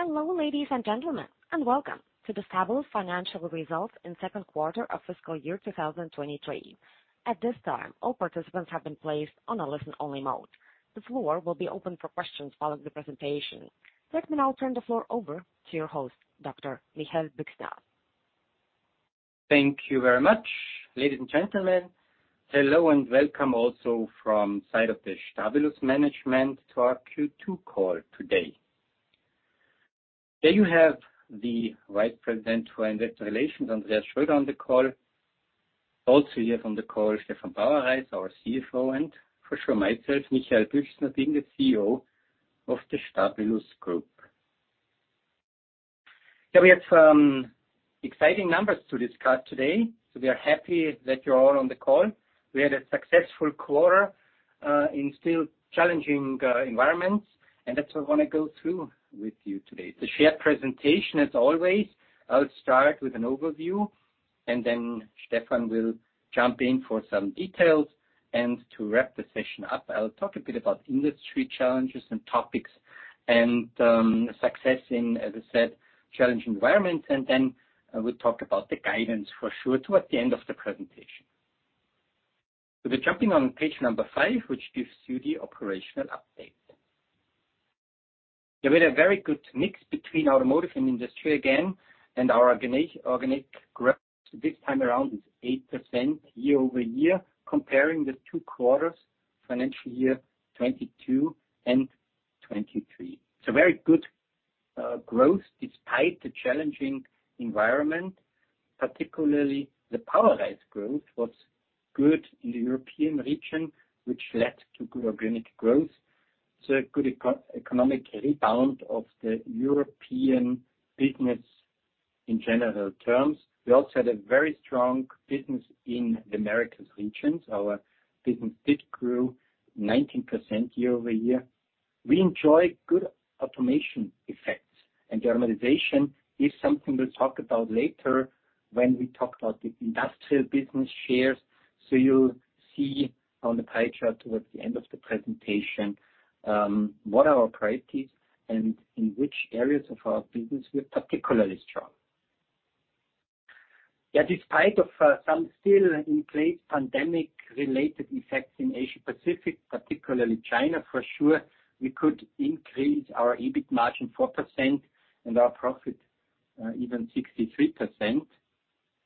Hello, ladies and gentlemen, welcome to the Stabilus Financial Results in second quarter of fiscal year 2023. At this time, all participants have been placed on a listen-only mode. The floor will be open for questions following the presentation. Let me now turn the floor over to your host, Dr. Michael Büchsner. Thank you very much. Ladies and gentlemen, hello and welcome also from side of the Stabilus management to our Q2 call today. There you have the Vice President for Investor Relations, Andreas Schröder, on the call. Here on the call, Stefan Bauerreis, our CFO, and for sure, myself, Dr. Michael Büchsner, being the CEO of the Stabilus Group. Yeah, we have some exciting numbers to discuss today. We are happy that you're all on the call. We had a successful quarter in still challenging environments, and that's what I wanna go through with you today. It's a shared presentation as always. I'll start with an overview. Stefan will jump in for some details. To wrap the session up, I'll talk a bit about industry challenges and topics and success in, as I said, challenging environments. I will talk about the guidance for sure towards the end of the presentation. We're jumping on page five, which gives you the operational update. There were a very good mix between automotive and industry again, and our organic growth this time around is 8% year-over-year, comparing the two quarters, financial year 2022 and 2023. It's a very good growth despite the challenging environment. Particularly the POWERISE growth was good in the European region, which led to good organic growth. It's a good eco-economic rebound of the European business in general terms. We also had a very strong business in the Americas regions. Our business did grew 19% year-over-year. We enjoy good automation effects, and germanization is something we'll talk about later when we talk about the industrial business shares. You'll see on the pie chart towards the end of the presentation, what are our priorities and in which areas of our business we're particularly strong. Despite of some still in place pandemic-related effects in Asia Pacific, particularly China, for sure, we could increase our EBIT margin 4% and our profit even 63%.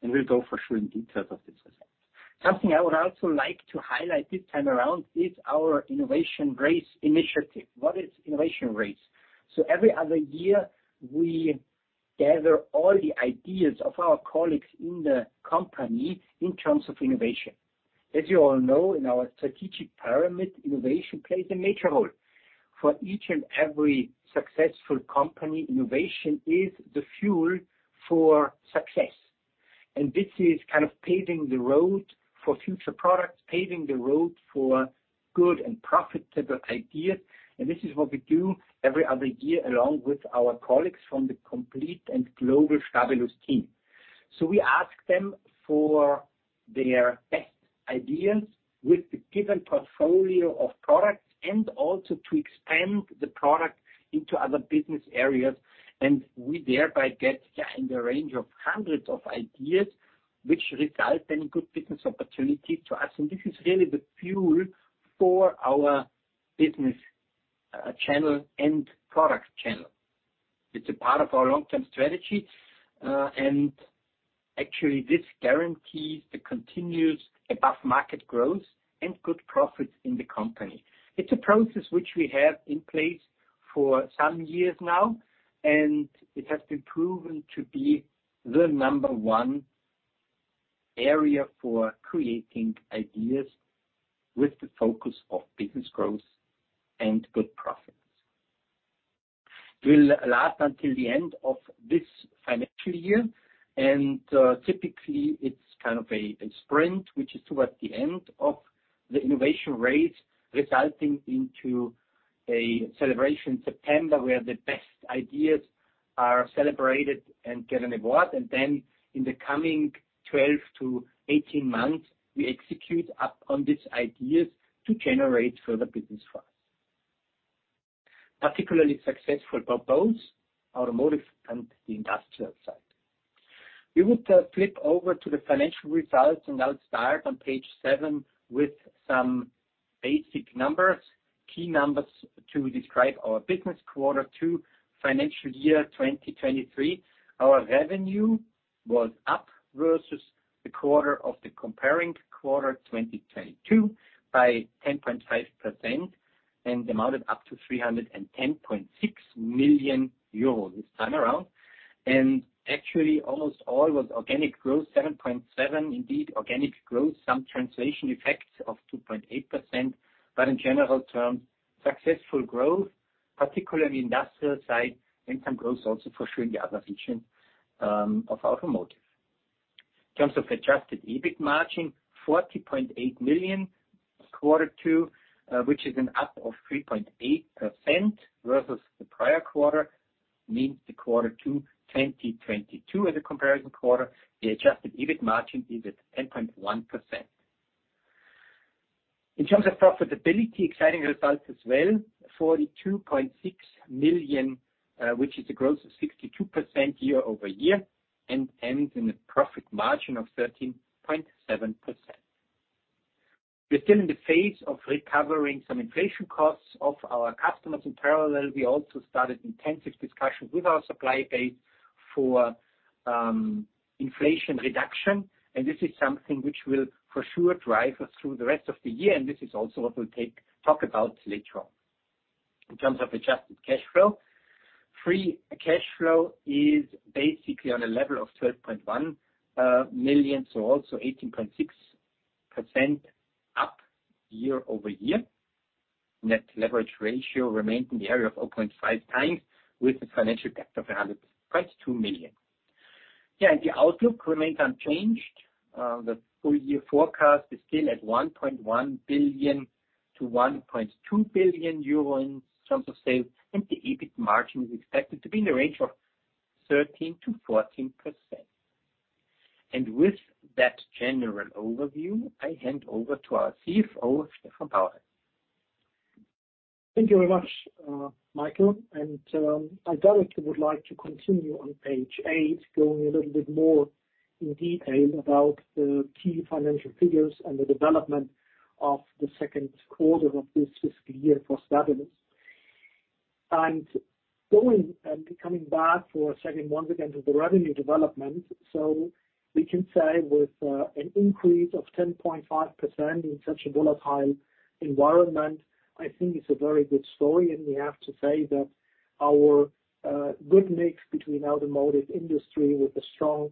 We'll go for sure in detail of this result. Something I would also like to highlight this time around is our Innovation Race initiative. What is Innovation Race? Every other year, we gather all the ideas of our colleagues in the company in terms of innovation. As you all know, in our strategic pyramid, innovation plays a major role. For each and every successful company, innovation is the fuel for success. This is kind of paving the road for future products, paving the road for good and profitable ideas. This is what we do every other year along with our colleagues from the complete and global Stabilus team. We ask them for their best ideas with the given portfolio of products and also to expand the product into other business areas. We thereby get, yeah, in the range of hundreds of ideas which result in good business opportunity to us. This is really the fuel for our business channel and product channel. It's a part of our long-term strategy, and actually this guarantees the continuous above-market growth and good profits in the company. It's a process which we have in place for some years now, and it has been proven to be the number one area for creating ideas with the focus of business growth and good profits. It will last until the end of this financial year. Typically, it's kind of a sprint, which is towards the end of the Innovation Race, resulting into a celebration in September, where the best ideas are celebrated and get an award. In the coming 12-18 months, we execute up on these ideas to generate further business for us. Particularly successful for both automotive and the industrial side. We would flip over to the financial results, and I'll start on page seven with some basic numbers, key numbers to describe our business quarter two, financial year 2023. Our revenue was up versus the quarter of the comparing quarter 2022 by 10.5% and amounted up to 310.6 million euros this time around. Actually, almost all was organic growth, 7.7%. Indeed, organic growth, some translation effects of 2.8%. In general terms, successful growth, particularly industrial side and some growth also for sure in the other region of automotive. In terms of adjusted EBIT margin, 40.8 million Q2, which is an up of 3.8% versus the prior quarter, means the Q2 2022 as a comparison quarter. The adjusted EBIT margin is at 10.1%. In terms of profitability, exciting results as well, 42.6 million, which is a growth of 62% year-over-year and ends in a profit margin of 13.7%. We're still in the phase of recovering some inflation costs of our customers. In parallel, we also started intensive discussions with our supply base for inflation reduction. This is something which will for sure drive us through the rest of the year. This is also what we'll talk about later on. In terms of adjusted cash flow, free cash flow is basically on a level of 12.1 million, so also 18.6% up year-over-year. Net leverage ratio remained in the area of 0.5 times with the financial debt of 122 million. The outlook remains unchanged. The full year forecast is still at 1.1 billion-1.2 billion euro in terms of sales, and the EBIT margin is expected to be in the range of 13%-14%. With that general overview, I hand over to our CFO, Stefan Bauer. Thank you very much, Michael, and I directly would like to continue on page eight, going a little bit more in detail about the key financial figures and the development of the Q2 of this fiscal year for Stabilus. Coming back for a second once again to the revenue development. We can say with an increase of 10.5% in such a volatile environment, I think it's a very good story, and we have to say that our good mix between automotive industry with a strong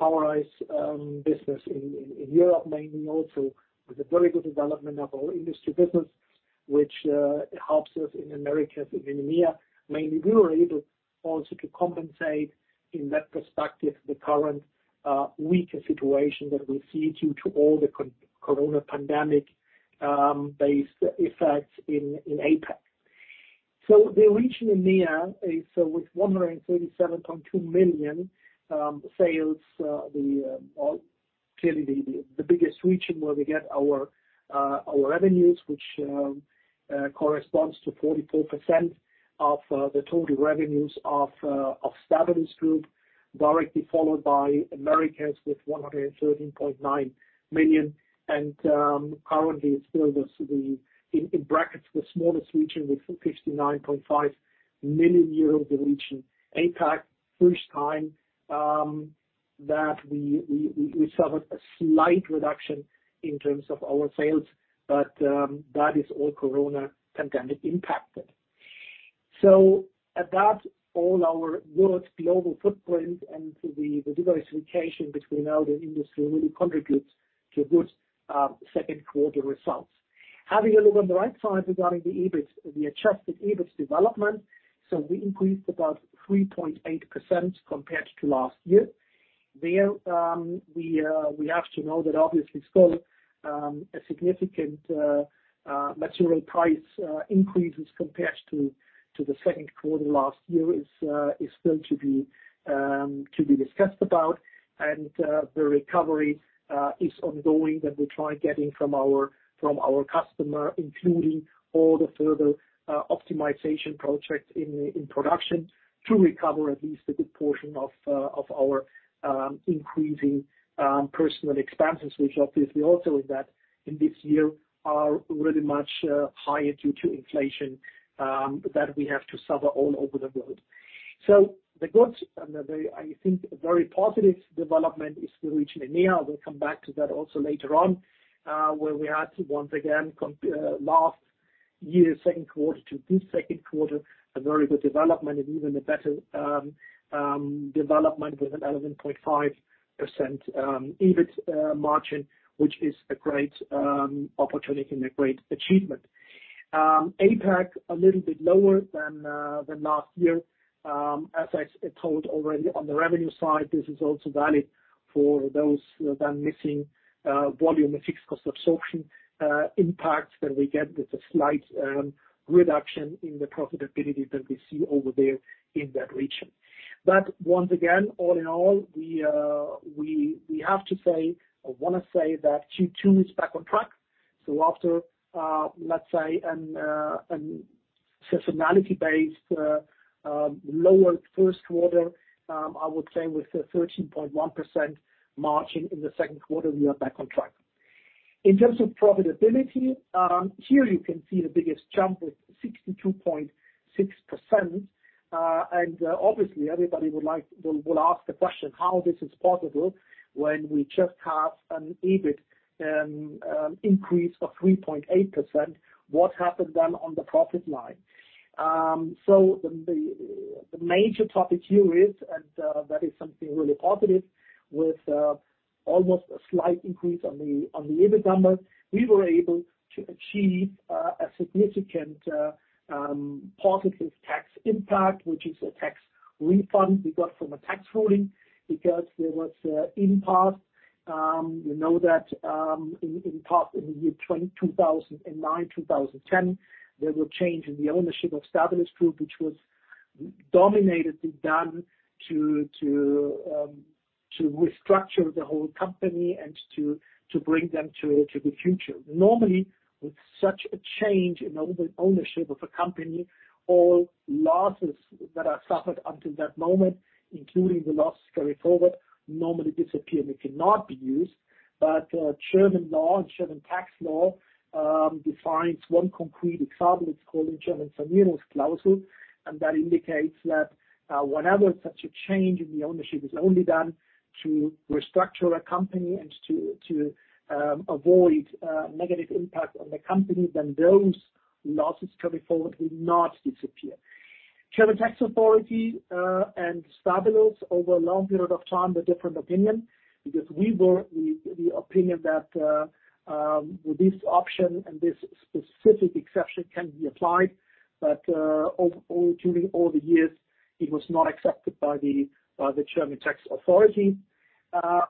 POWERISE business in Europe, mainly also with a very good development of our industry business, which helps us in Americas and EMEA. Mainly, we were able also to compensate in that perspective, the current weaker situation that we see due to all the corona pandemic based effects in APAC. The region EMEA is with 137.2 million sales the or clearly the biggest region where we get our revenues, which corresponds to 44% of the total revenues of Stabilus Group, directly followed by Americas with 113.9 million. Currently it's still in brackets, the smallest region with 59.5 million euros, the region APAC. First time that we suffered a slight reduction in terms of our sales, but that is all corona pandemic impacted. All our world's global footprint and the diversification between all the industry really contributes to a good Q2 results. Having a look on the right side regarding the EBIT, the adjusted EBIT development, we increased about 3.8% compared to last year. There, we have to know that obviously still a significant material price increases compared to the Q2 last year is still to be discussed about. The recovery is ongoing, that we try getting from our customer, including all the further optimization projects in production to recover at least a good portion of our increasing personal expenses, which obviously also in this year are really much higher due to inflation that we have to suffer all over the world. The good and the very, I think, very positive development is the region EMEA. We'll come back to that also later on, where we had to once again last year, Q2 to this Q2, a very good development and even a better development with an 11.5% EBIT margin, which is a great opportunity and a great achievement. APAC a little bit lower than last year. As I told already on the revenue side, this is also valid for those then missing volume and fixed cost absorption impacts that we get with a slight reduction in the profitability that we see over there in that region. Once again, all in all, we have to say or wanna say that Q2 is back on track. After let's say an seasonality-based lower Q3, I would say with a 13.1% margin in the Q2, we are back on track. In terms of profitability, here you can see the biggest jump with 62.6%. Obviously everybody will ask the question, how this is possible when we just have an EBIT increase of 3.8%, what happened then on the profit line? The major topic here is, that is something really positive with almost a slight increase on the EBIT numbers. We were able to achieve a significant positive tax impact, which is a tax refund we got from a tax ruling because there was in past, you know that, in past, in the year 2009, 2010, there were change in the ownership of Stabilus Group, which was done to restructure the whole company and to bring them to the future. Normally, with such a change in own-ownership of a company, all losses that are suffered until that moment, including the loss carryforward, normally disappear and they cannot be used. German law and German tax law defines one concrete example. It's called in German,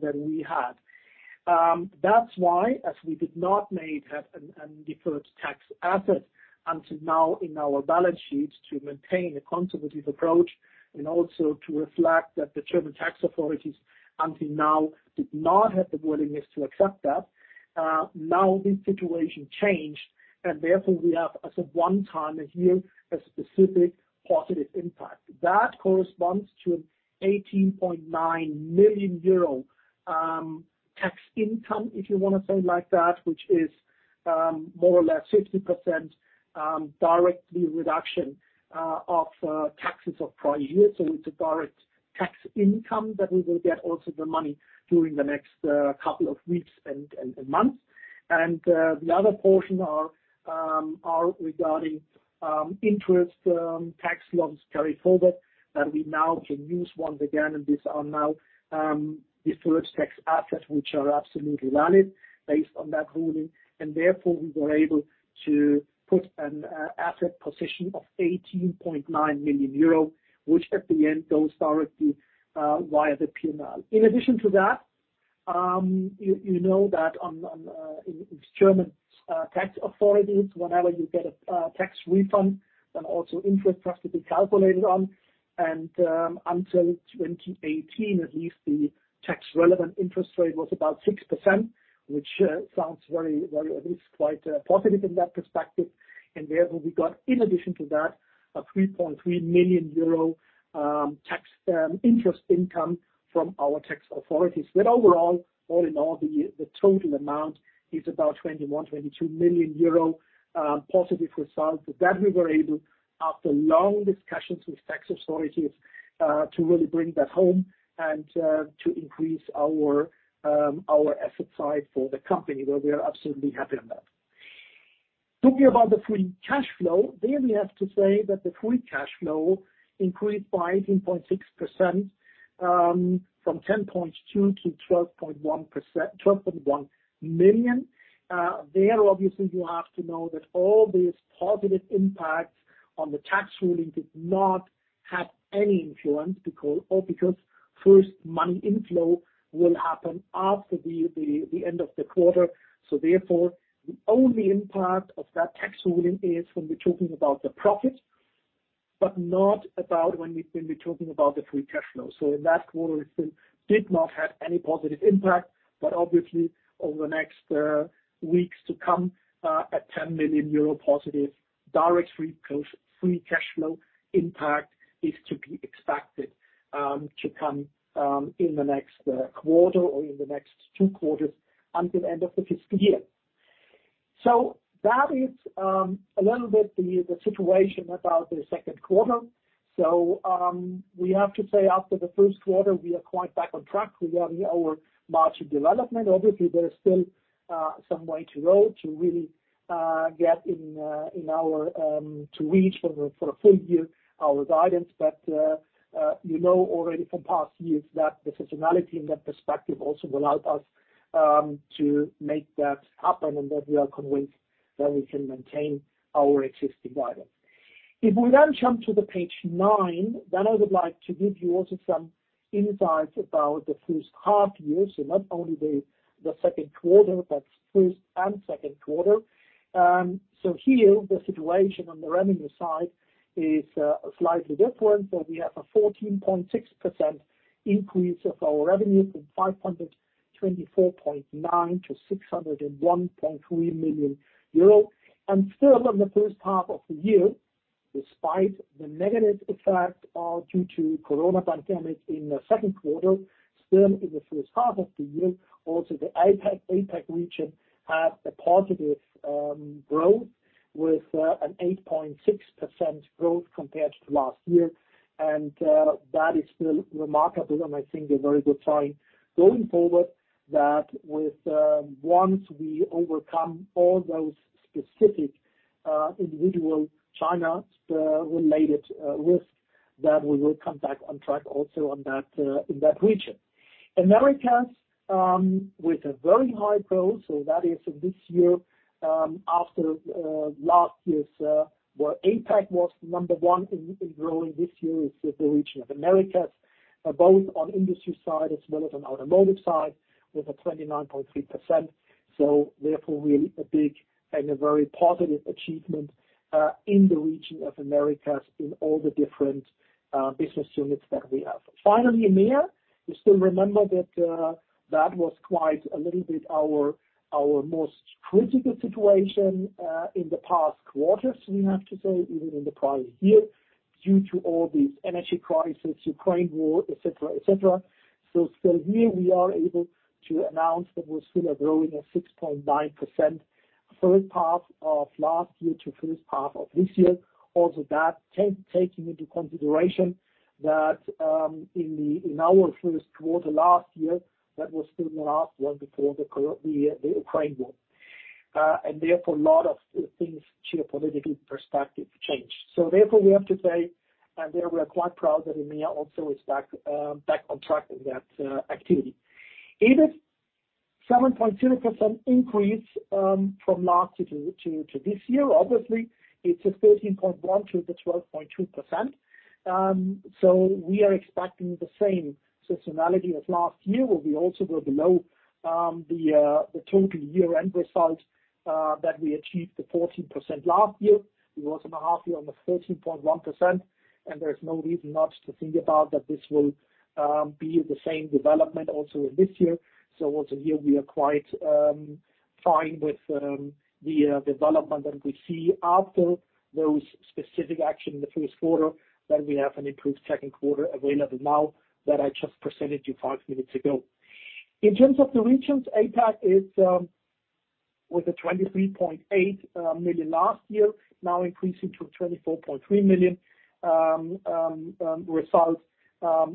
That corresponds to an EUR 18.9 million tax income, if you wanna say it like that, which is more or less 50% directly reduction of taxes of prior years. It's a direct tax income that we will get also the money during the next couple of weeks and months. The other portion are regarding interest tax loans carryforward, that we now can use once again, and these are now deferred tax assets, which are absolutely valid based on that ruling. Therefore, we were able to put an asset position of 18.9 million euro, which at the end goes directly via the P&L. In addition to that, you know that on in German tax authorities, whenever you get a tax refund, then also interest has to be calculated on. Until 2018, at least the tax relevant interest rate was about 6%, which sounds very, at least quite positive in that perspective. Therefore, we got, in addition to that, a 3.3 million euro tax interest income from our tax authorities. Overall, all in all, the total amount is about 21-22 million euro, positive result that we were able, after long discussions with tax authorities, to really bring that home and to increase our asset side for the company, where we are absolutely happy on that. Talking about the free cash flow, there we have to say that the free cash flow increased by 18.6%, from 10.2 million to 12.1 million. There obviously you have to know that all this positive impact on the tax ruling did not have any influence because first money inflow will happen after the end of the quarter. Therefore, the only impact of that tax ruling is when we're talking about the profit, but not about when we're talking about the free cash flow. In that quarter, it did not have any positive impact, but obviously over the next weeks to come, a 10 million euro positive direct free cash flow impact is to be expected to come in the next quarter or in the next two quarters until end of the fiscal year. That is a little bit the situation about the Q2. We have to say after the Q1, we are quite back on track. We are in our margin development. Obviously, there is still some way to go to really get in in our to reach for the full year our guidance. You know already from past years that the seasonality in that perspective also will help us to make that happen, and that we are convinced that we can maintain our existing guidance. If we then jump to page nine, then I would like to give you also some insights about the first half year, so not only the Q2, but first and Q2. Here the situation on the revenue side is slightly different, where we have a 14.6% increase of our revenue from 524.9 million to 601.3 million euros. Still on the first half of the year, despite the negative effect due to coronavirus pandemic in the Q2, still in the first half of the year, also the APAC region had a positive growth with an 8.6% growth compared to last year. That is still remarkable and I think a very good sign going forward that with once we overcome all those specific, individual China, related risk. That we will come back on track also on that, in that region. Americas with a very high growth, so that is this year after last year's where APAC was number one in growing this year is the region of Americas, both on industry side as well as on automotive side with a 29.3%. Therefore, really a big and a very positive achievement in the region of Americas in all the different business units that we have. Finally, EMEA. You still remember that that was quite a little bit our most critical situation in the past quarters, we have to say, even in the prior year, due to all these energy crisis, Ukraine war, et cetera, et cetera. Here we are able to announce that we're still growing at 6.9% first half of last year to first half of this year. Also, that taking into consideration that, in our Q1 last year, that was still the last one before the Ukraine war. Therefore, a lot of things geopolitically perspective changed. Therefore, we have to say, there we are quite proud that EMEA also is back on track in that activity. EBIT, 7.0% increase from last year to this year. Obviously, it's a 13.1 to the 12.2%. We are expecting the same seasonality as last year, where we also were below the total year-end result that we achieved the 14% last year. We were also in the half year on the 13.1%, there is no reason not to think about that this will be the same development also in this year. Also here we are quite fine with the development that we see after those specific action in the Q1, that we have an improved Q2 available now that I just presented you five minutes ago. In terms of the regions, APAC is with a 23.8 million last year, now increasing to 24.3 million result,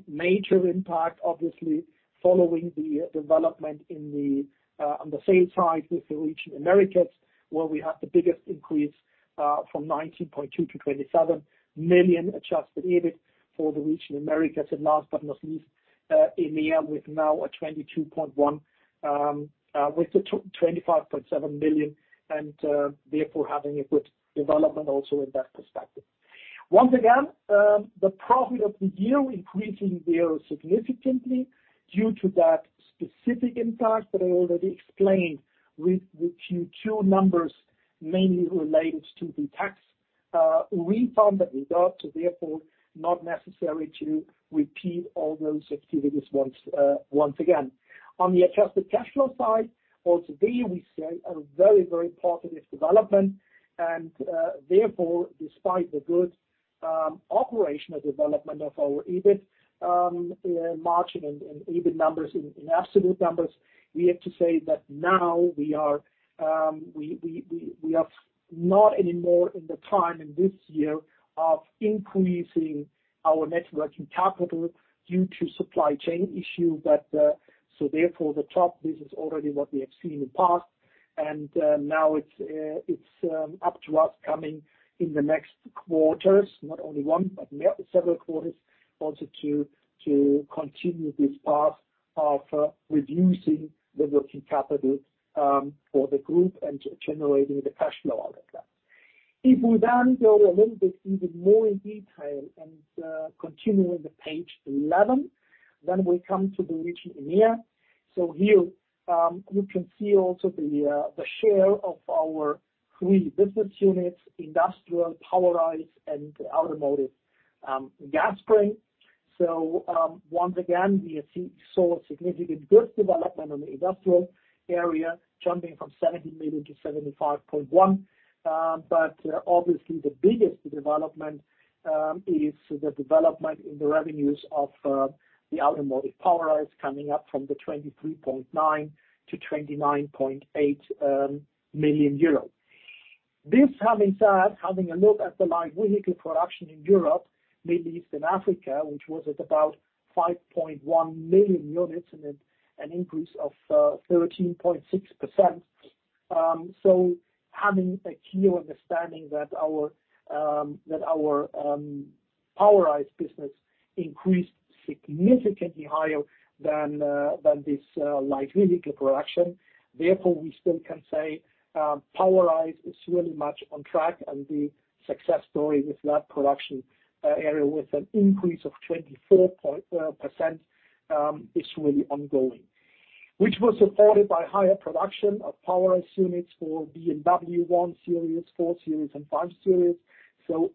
major impact, obviously, following the development on the sales side with the region Americas, where we have the biggest increase from 19.2 million to 27 million adjusted EBIT for the region Americas. Last but not least, EMEA with now with the 25.7 million, therefore, having a good development also in that perspective. Once again, the profit of the year increasing there significantly due to that specific impact that I already explained with the Q2 numbers mainly related to the tax refund that we got, so therefore not necessary to repeat all those activities once again. On the adjusted cash flow side, also there we see a very, very positive development. Therefore, despite the good operational development of our EBIT margin and EBIT numbers in absolute numbers, we have to say that now we are not anymore in the time in this year of increasing our net working capital due to supply chain issue. This is already what we have seen in the past. Now it's up to us coming in the next quarters, not only one, but multiple several quarters also to continue this path of reducing the working capital for the group and generating the cash flow out of that. We then go a little bit even more in detail and continuing the page 11, we come to the region EMEA. Here you can see also the share of our three business units, Industrial, POWERISE, and Automotive Gas Spring. Once again, we saw a significant good development on the Industrial area, jumping from 70 million EUR to 75.1 million EUR. But obviously the biggest development is the development in the revenues of the Automotive POWERISE coming up from 23.9 million EUR to 29.8 million euros. This having said, having a look at the light vehicle production in Europe, Middle East and Africa, which was at about 5.1 million units and an increase of 13.6%. Having a clear understanding that our POWERISE business increased significantly higher than this light vehicle production. Therefore, we still can say, POWERISE is really much on track and the success story with that production area with an increase of 24% is really ongoing. Which was supported by higher production of POWERISE units for BMW 1 Series, 4 Series, and 5 Series.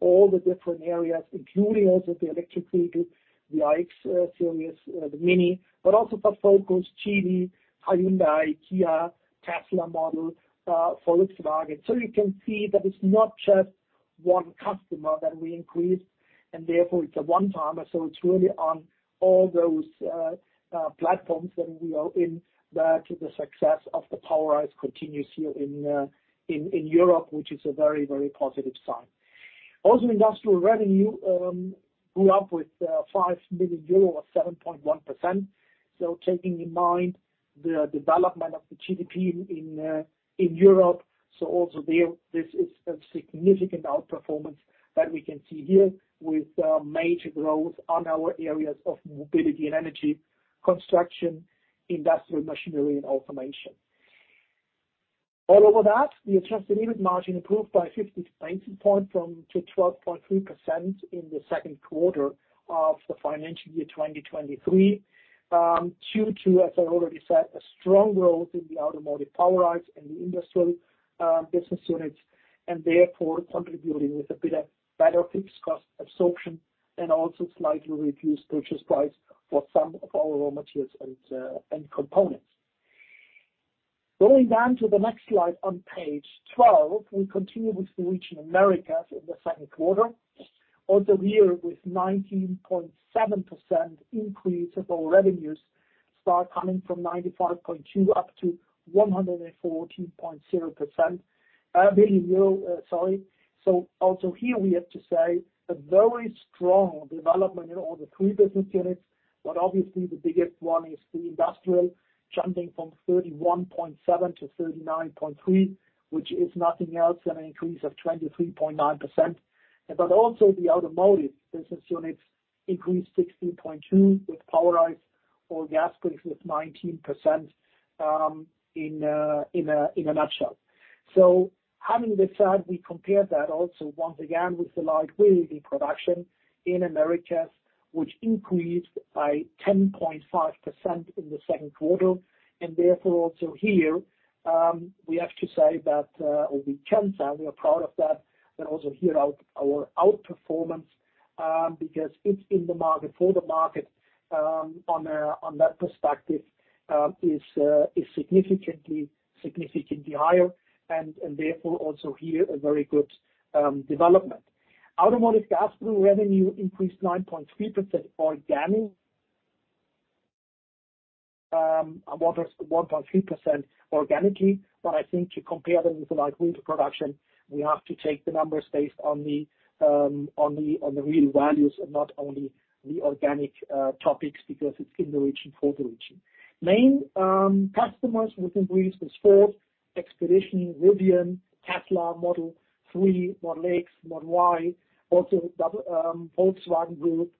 All the different areas, including also the electric vehicle, the iX series, the MINI, but also for Focus, Geely, Hyundai, Kia, Tesla model, Volkswagen. You can see that it's not just one customer that we increased, and therefore it's a one-timer. It's really on all those platforms that we are in that the success of the POWERISE continues here in Europe, which is a very, very positive sign. Also Industrial revenue grew up with 5 million euro or 7.1%. Taking in mind the development of the GDP in Europe, also there, this is a significant outperformance that we can see here with major growth on our areas of mobility and energy, construction, industrial machinery and automation. All over that, the adjusted EBIT margin improved by 50 basis points to 12.3% in the Q2 of the financial year 2023, due to, as I already said, a strong growth in the automotive power lines and the industrial business units, and therefore contributing with a bit of better fixed cost absorption and also slightly reduced purchase price for some of our raw materials and components. Going down to the next slide on page 12, we continue with the region Americas in the Q2. Also here, with 19.7% increase of our revenues start coming from 95.2 billion up to 114.0 billion, sorry. Also here we have to say a very strong development in all the three business units, but obviously the biggest one is the industrial, jumping from 31.7 to 39.3, which is nothing else than an increase of 23.9%. Also the automotive business units increased 16.2, with POWER LINE or gas springs with 19% in a nutshell. Having this said, we compare that also once again with the light vehicle production in Americas, which increased by 10.5% in the Q2. Therefore also here, we have to say that, or we can say we are proud of that, and also here our outperformance, because it's in the market, for the market, on that perspective, is significantly higher and therefore also here a very good development. Automotive Gas Spring revenue increased 9.3% organic. 1.3% organically. I think to compare them with light vehicle production, we have to take the numbers based on the real values and not only the organic topics because it's in the region, for the region. Main customers within reach was Ford, Expedition, Rivian, Tesla, Model 3, Model X, Model Y, also the Volkswagen Group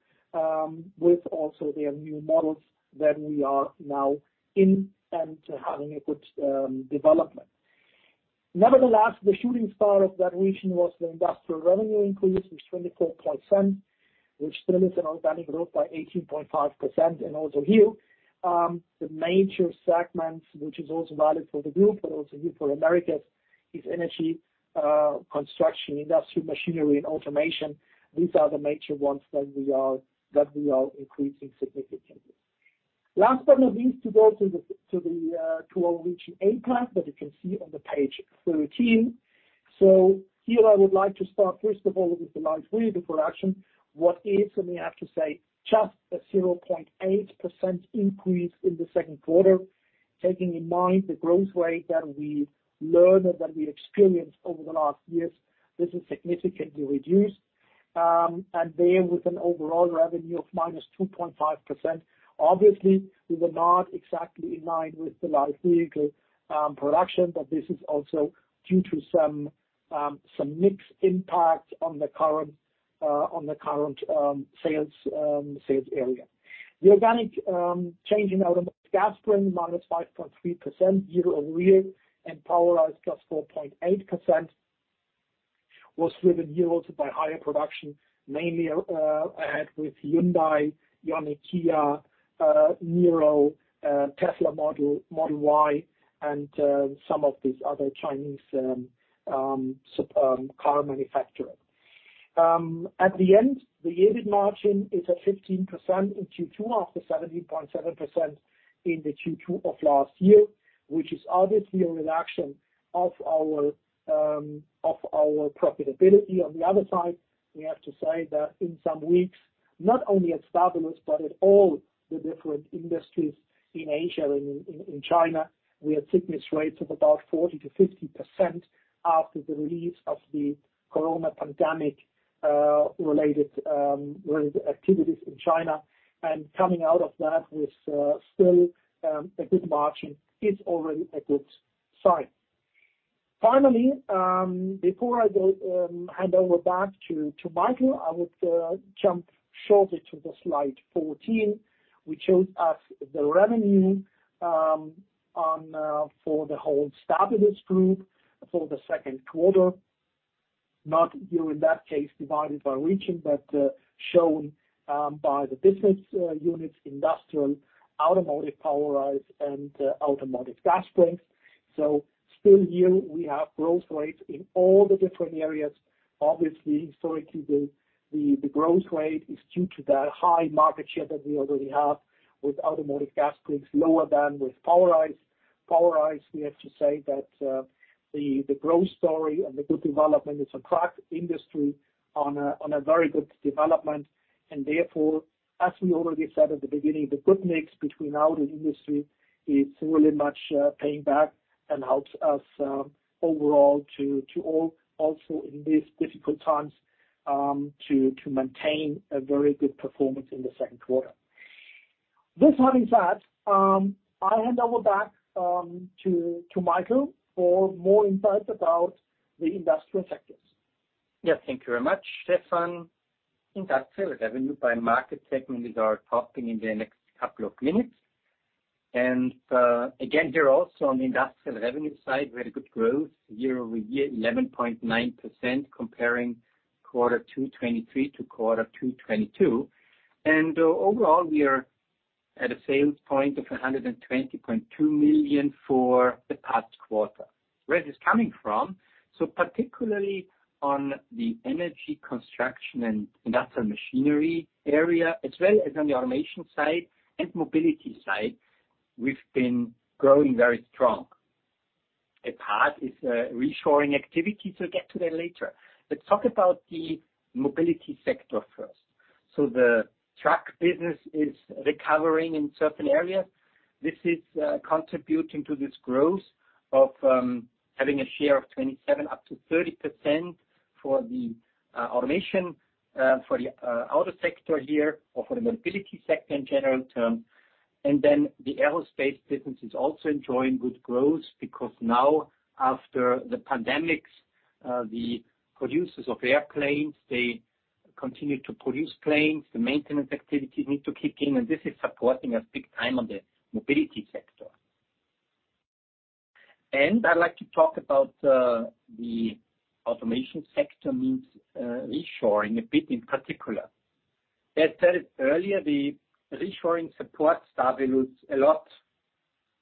with also their new models that we are now in and having a good development. Nevertheless, the shooting star of that region was the industrial revenue increase, which is 24.7%, which still is an organic growth by 18.5%. Also here, the major segments, which is also valid for the group and also here for Americas, is energy, construction, industrial machinery and automation. These are the major ones that we are increasing significantly. Last but not least, to go to our region APAC, that you can see on page 13. Here I would like to start first of all with the light vehicle production. What is, and we have to say just a 0.8% increase in the Q2. Taking in mind the growth rate that we learned or that we experienced over the last years, this is significantly reduced. There with an overall revenue of -2.5%, obviously we were not exactly in line with the light vehicle production, but this is also due to some mixed impact on the current on the current sales area. The organic change in Automotive Gas Spring, -5.3% year-over-year and POWER LINEs +4.8%, was driven yields by higher production, mainly ahead with Hyundai IONIQ, Niro, Tesla Model Y, and some of these other Chinese car manufacturer. At the end, the EBIT margin is at 15% in Q2 after 17.7% in the Q2 of last year, which is obviously a reduction of our profitability. On the other side, we have to say that in some weeks, not only at Stabilus but at all the different industries in Asia, in China, we had sickness rates of about 40%-50% after the release of the corona pandemic related activities in China. Coming out of that with still a good margin is already a good sign. Finally, before I go, hand over back to Michael, I would jump shortly to the slide 14, which shows us the revenue on for the whole Stabilus Group for the Q2, not here in that case divided by region, but shown by the business units, industrial, POWER LINES and Automotive Gas Springs. Still here we have growth rates in all the different areas. Obviously, historically, the growth rate is due to the high market share that we already have with Automotive Gas Springs, lower than with POWER LINES. POWER LINES, we have to say that the growth story and the good development is a truck industry on a very good development. Therefore, as we already said at the beginning, the good mix between auto industry is really much paying back and helps us overall to also in these difficult times to maintain a very good performance in the Q2. With having said, I hand over back to Michael for more insight about the industrial sectors. Thank you very much, Stefan. Industrial revenue by market segment we are talking in the next couple of minutes. Again, here also on the industrial revenue side, very good growth year-over-year, 11.9% comparing Q2 2023 to Q2 2022. Overall, we are at a sales point of 120.2 million for the past quarter. Where is this coming from? Particularly on the energy construction and industrial machinery area, as well as on the automation side and mobility side, we've been growing very strong. A part is reshoring activity, we'll get to that later. Let's talk about the mobility sector first. The truck business is recovering in certain areas. This is contributing to this growth of having a share of 27% up to 30% for the automation, for the auto sector here or for the mobility sector in general term. The aerospace business is also enjoying good growth because now after the pandemics, the producers of airplanes, they continue to produce planes. The maintenance activities need to kick in, and this is supporting us big time on the mobility sector. I'd like to talk about the automation sector means reshoring a bit in particular. As said earlier, the reshoring supports our values a lot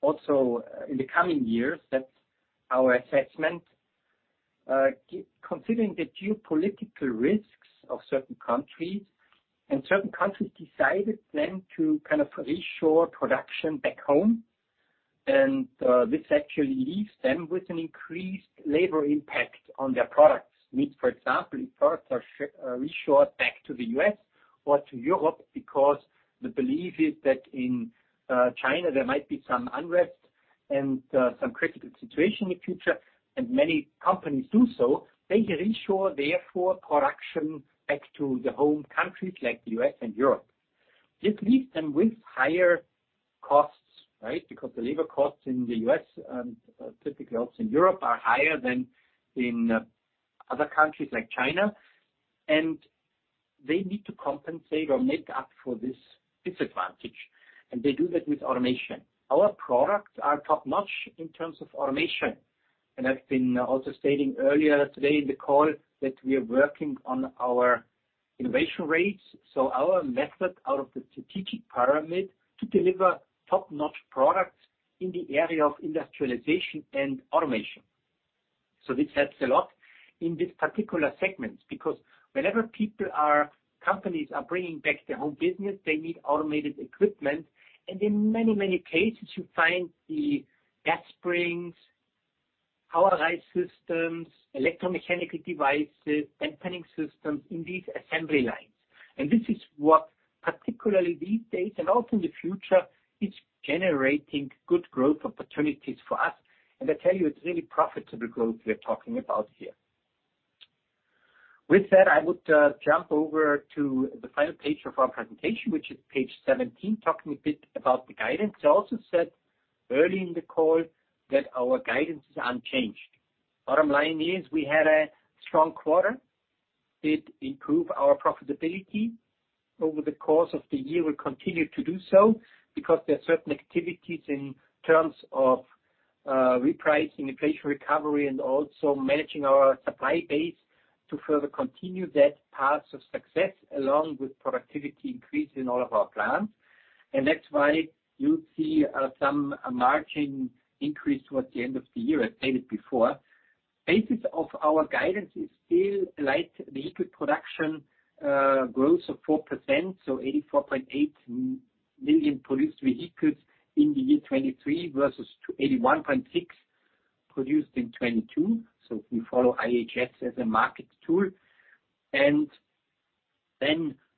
also in the coming years. That's our assessment. Considering the geopolitical risks of certain countries, certain countries decided then to kind of reshore production back home. This actually leaves them with an increased labor impact on their products. Means, for example, if products are reshoried back to the US or to Europe because the belief is that in China, there might be some unrest and some critical situation in the future. Many companies do so. They reshore, therefore, production back to the home countries like the US and Europe. This leaves them with higher costs, right? Because the labor costs in the US, typically also in Europe, are higher than in other countries like China. They need to compensate or make up for this disadvantage. They do that with automation. Our products are top-notch in terms of automation. I've been also stating earlier today in the call that we are working on our innovation rates. Our method out of the strategic pyramid to deliver top-notch products in the area of industrialization and automation. This helps a lot in these particular segments, because whenever companies are bringing back their home business, they need automated equipment. In many, many cases, you find the gas springs, POWERISE systems, electromechanical devices, dampening systems in these assembly lines. This is what particularly these days and also in the future, is generating good growth opportunities for us. I tell you, it's really profitable growth we're talking about here. With that, I would jump over to the final page of our presentation, which is page 17, talking a bit about the guidance. I also said early in the call that our guidance is unchanged. Bottom line is we had a strong quarter. Did improve our profitability. Over the course of the year, we continue to do so because there are certain activities in terms of repricing, inflation recovery, and also managing our supply base to further continue that path of success, along with productivity increase in all of our plants. That's why you see some margin increase towards the end of the year. I've said it before. Basis of our guidance is still light vehicle production growth of 4%, so 84.8 million produced vehicles in the year 2023 versus to 81.6 produced in 2022. We follow IHS as a market tool. Then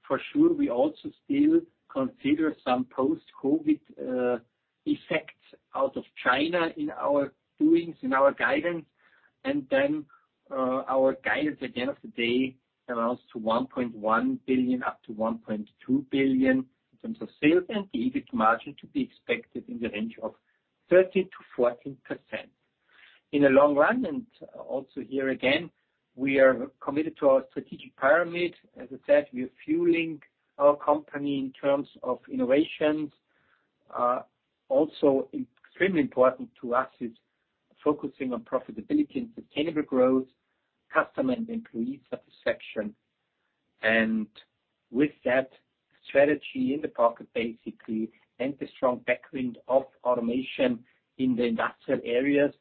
for sure, we also still consider some post-COVID effects out of China in our doings, in our guidance. Our guidance at the end of the day amounts to 1.1 billion-1.2 billion in terms of sales and the EBIT margin to be expected in the range of 13%-14%. In the long run, also here again, we are committed to our strategic pyramid. As I said, we are fueling our company in terms of innovations. Also extremely important to us is focusing on profitability and sustainable growth, customer and employee satisfaction. With that strategy in the pocket, basically, and the strong backwind of automation in the industrial areas,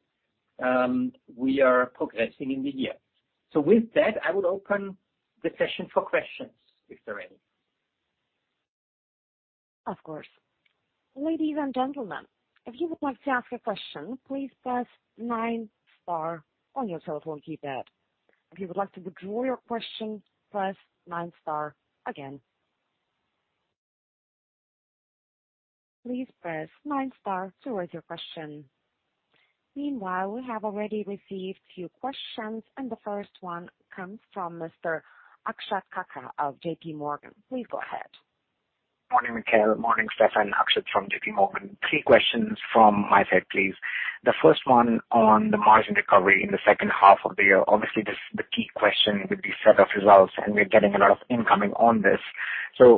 we are progressing in the year. With that, I would open the session for questions, if there are any. Of course. Ladies and gentlemen, if you would like to ask a question, please press nine star on your telephone keypad. If you would like to withdraw your question, press nine star again. Please press nine star to raise your question. Meanwhile, we have already received few questions, and the first one comes from Mr. Akshat Kacker of JP Morgan. Please go ahead. Morning, Michael. Morning, Stefan. Akshat from JP Morgan. Three questions from my side, please. The first one on the margin recovery in the second half of the year. Obviously, this is the key question with this set of results, and we're getting a lot of incoming on this.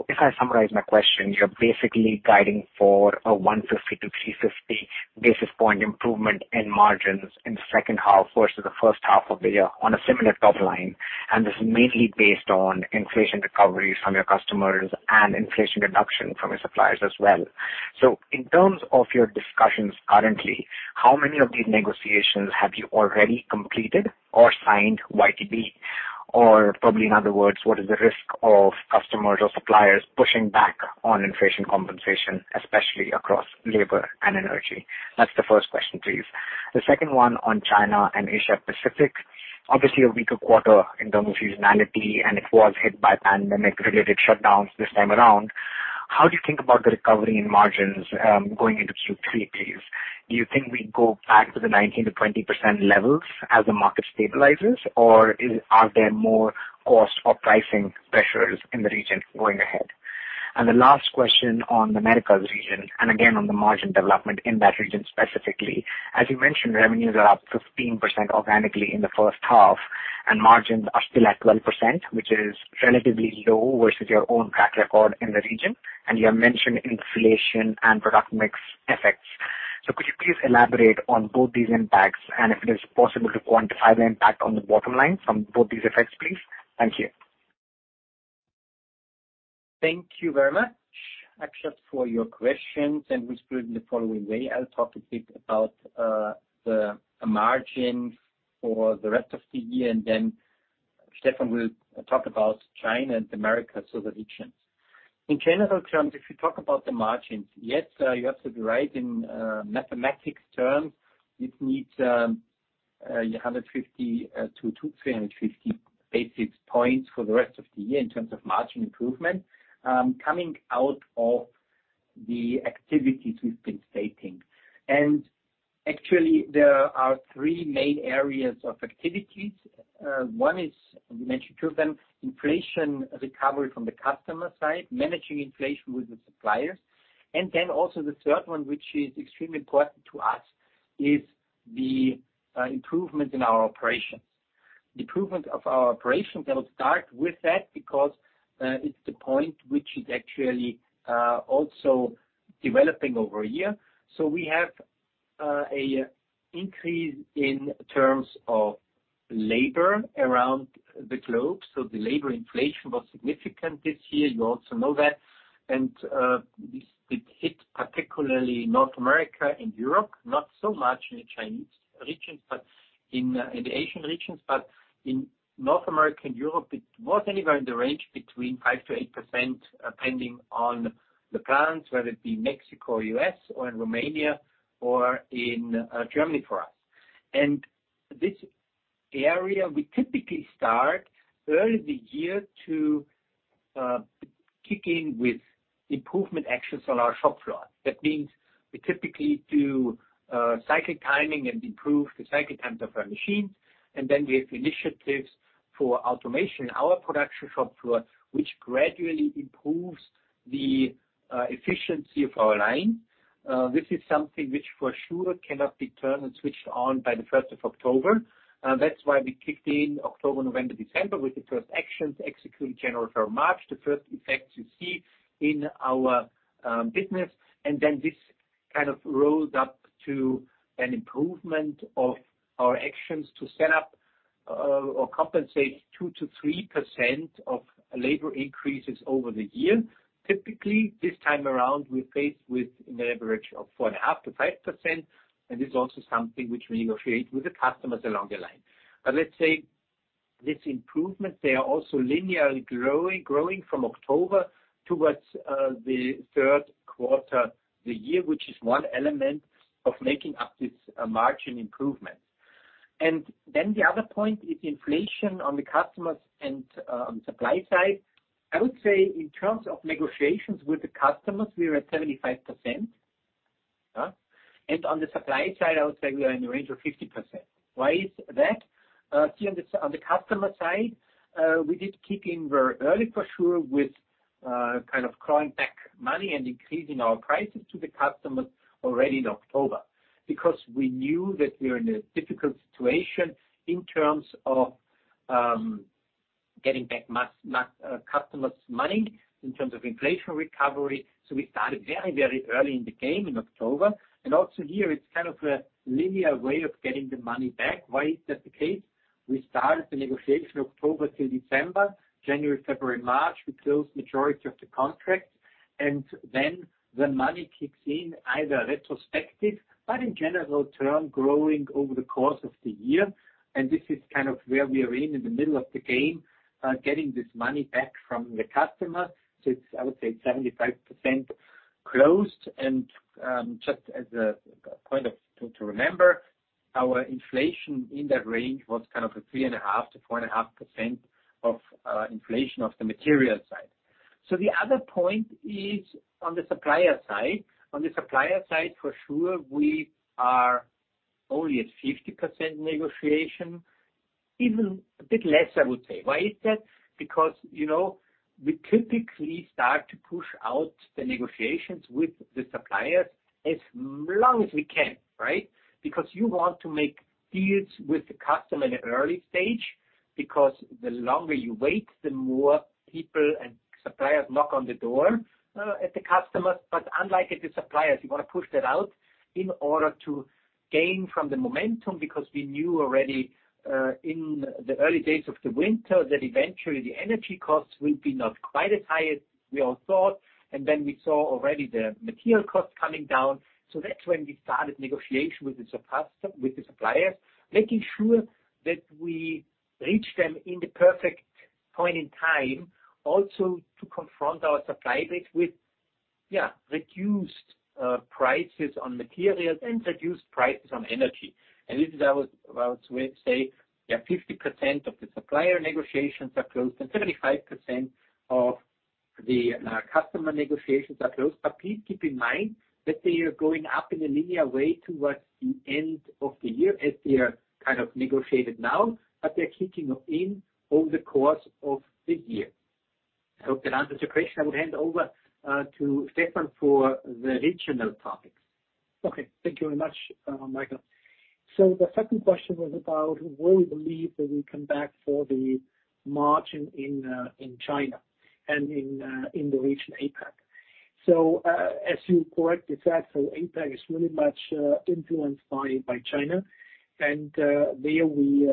If I summarize my question, you're basically guiding for a 150 to 350 basis point improvement in margins in the second half versus the first half of the year on a similar top line. This is mainly based on inflation recoveries from your customers and inflation reduction from your suppliers as well. In terms of your discussions currently, how many of these negotiations have you already completed or signed YTD? Probably in other words, what is the risk of customers or suppliers pushing back on inflation compensation, especially across labor and energy? That's the first question, please. The second one on China and Asia Pacific, obviously a weaker quarter in terms of seasonality, and it was hit by pandemic-related shutdowns this time around. How do you think about the recovery in margins, going into 2023, please? Do you think we go back to the 19%-20% levels as the market stabilizes, or are there more cost or pricing pressures in the region going ahead? The last question on the Americas region, and again, on the margin development in that region specifically. As you mentioned, revenues are up 15% organically in the first half, and margins are still at 12%, which is relatively low versus your own track record in the region. You have mentioned inflation and product mix effects. Could you please elaborate on both these impacts and if it is possible to quantify the impact on the bottom line from both these effects, please? Thank you. Thank you very much, Akshat, for your questions. We split in the following way. I'll talk a bit about the margins for the rest of the year, then Stefan will talk about China and the Americas, so the regions. In general terms, if you talk about the margins, yes, you have to be right in mathematics terms. It needs 150 to 350 basis points for the rest of the year in terms of margin improvement, coming out of the activities we've been stating. Actually, there are three main areas of activities. One is, we mentioned two of them, inflation recovery from the customer side, managing inflation with the suppliers. Also the third one, which is extremely important to us, is the improvement in our operations. The improvement of our operations, I will start with that because it's the point which is actually also developing over a year. We have a increase in terms of labor around the globe. The labor inflation was significant this year. You also know that. It hit particularly North America and Europe, not so much in the Chinese regions, but in the Asian regions. In North America and Europe, it was anywhere in the range between 5%-8%, depending on the plants, whether it be Mexico or U.S. or in Romania or in Germany for us. This area, we typically start early the year to kick in with improvement actions on our shop floor. That means we typically do cycle timing and improve the cycle times of our machines. We have initiatives for automation in our production shop floor, which gradually improves the efficiency of our line. This is something which for sure cannot be turned and switched on by the 1st of October. That's why we kicked in October, November, December with the first actions executed January, February, March, the first effects you see in our business. This kind of rolls up to an improvement of our actions to set up or compensate 2%-3% of labor increases over the year. Typically, this time around, we're faced with an average of 4.5%-5%, and this is also something which we negotiate with the customers along the line. Let's say this improvement, they are also linearly growing from October towards the Q3 of the year, which is one element of making up this margin improvement. The other point is inflation on the customers and supply side. I would say in terms of negotiations with the customers, we are at 75%. And on the supply side, I would say we are in the range of 50%. Why is that? See, on the customer side, we did kick in very early for sure with kind of crawling back money and increasing our prices to the customers already in October. Because we knew that we are in a difficult situation in terms of getting back customers' money in terms of inflation recovery. We started very, very early in the game in October. Also here, it's kind of a linear way of getting the money back. Why is that the case? We started the negotiation October till December. January, February, March, we closed majority of the contracts. The money kicks in either retrospective but in general term, growing over the course of the year. This is kind of where we are in the middle of the game, getting this money back from the customer. It's I would say 75% closed. Just as a point to remember, our inflation in that range was kind of a 3.5%-4.5% of inflation of the material side. The other point is on the supplier side. On the supplier side, for sure, we are only at 50% negotiation, even a bit less, I would say. Why is that? You know, we typically start to push out the negotiations with the suppliers as long as we can, right? You want to make deals with the customer in the early stage, because the longer you wait, the more people and suppliers knock on the door at the customers. Unlike the suppliers, you want to push that out in order to gain from the momentum, because we knew already in the early days of the winter that eventually the energy costs will be not quite as high as we all thought. Then we saw already the material costs coming down. That's when we started negotiation with the suppliers, making sure that we reach them in the perfect point in time also to confront our supply base with reduced prices on materials and reduced prices on energy. This is how else we say, 50% of the supplier negotiations are closed and 75% of the customer negotiations are closed. Please keep in mind that they are going up in a linear way towards the end of the year, as they are kind of negotiated now, but they're kicking in over the course of the year. I hope that answers your question. I would hand over to Stephan for the regional topics. Okay, thank you very much, Michael. The second question was about where we believe that we come back for the margin in China and in the region APAC. As you correctly said, APAC is really much influenced by China. There we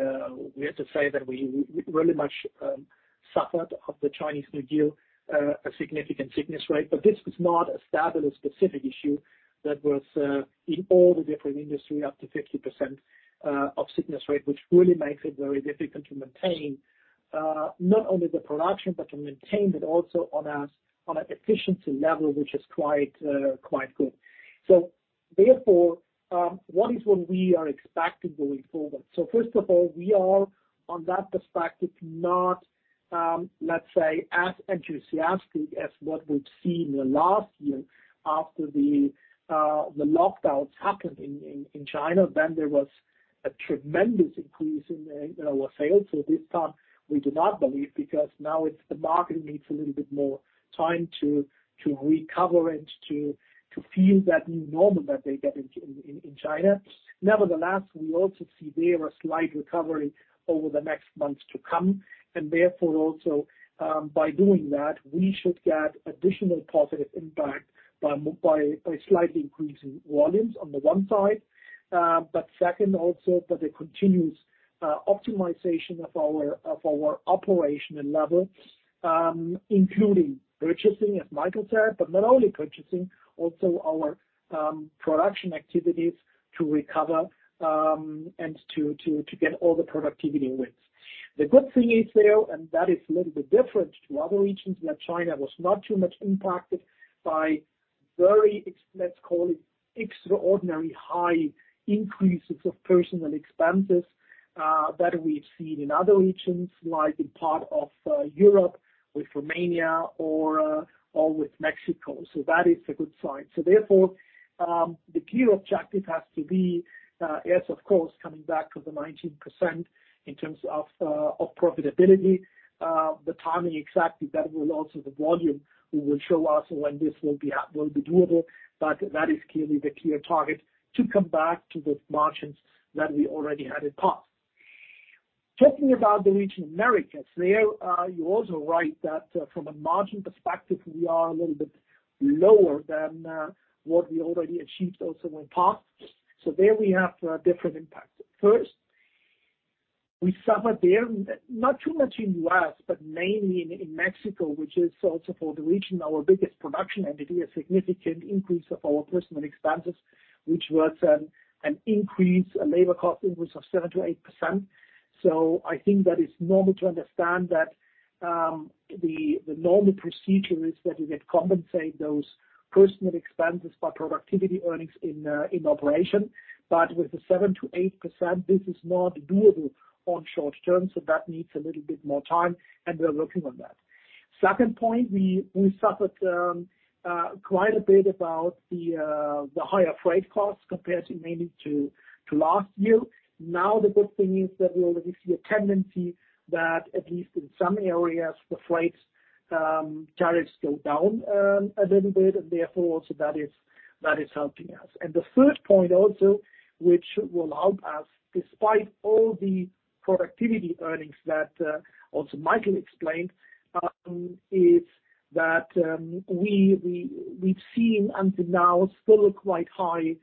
have to say that we really much suffered of the Chinese New Year, a significant sickness rate. This was not a Stabilus specific issue. That was in all the different industry, up to 50% of sickness rate, which really makes it very difficult to maintain not only the production, but to maintain it also on an efficiency level, which is quite good. Therefore, what is when we are expecting going forward? First of all, we are on that perspective, not, let's say, as enthusiastic as what we've seen in the last year after the lockdowns happened in, in China, then there was a tremendous increase in our sales. This time we do not believe, because now it's the market needs a little bit more time to recover and to feel that new normal that they get in, in China. Nevertheless, we also see there a slight recovery over the next months to come. Therefore also, by doing that, we should get additional positive impact by slightly increasing volumes on the one side. Second also, by the continuous optimization of our operational level, including purchasing, as Michael said, but not only purchasing, also our production activities to recover and to get all the productivity wins. The good thing is there, and that is a little bit different to other regions, that China was not too much impacted by very let's call it extraordinary high increases of personal expenses that we've seen in other regions, like in part of Europe with Romania or with Mexico. That is a good sign. Therefore, the clear objective has to be, yes, of course, coming back to the 19% in terms of profitability. The timing exactly that will also the volume will show us when this will be doable. That is clearly the clear target to come back to those margins that we already had in past. Talking about the region Americas, there, you're also right that, from a margin perspective, we are a little bit lower than what we already achieved also in past. There we have different impacts. First, we suffered there, not too much in U.S., but mainly in Mexico, which is also for the region, our biggest production entity, a significant increase of our personal expenses, which was an increase, a labor cost increase of 7%-8%. I think that it's normal to understand that the normal procedure is that you get compensate those personal expenses by productivity earnings in operation. With the 7%-8%, this is not doable on short term. That needs a little bit more time, and we're working on that. Second point, we suffered quite a bit about the higher freight costs compared to mainly to last year. The good thing is that we already see a tendency that at least in some areas the freights tariffs go down a little bit, and therefore also that is helping us. The third point also, which will help us despite all the productivity earnings that also Michael explained, is that we've seen until now still quite high